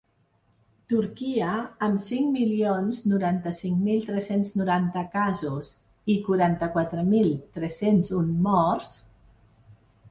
Turquia, amb cinc milions noranta-cinc mil tres-cents noranta casos i quaranta-quatre mil tres-cents un morts.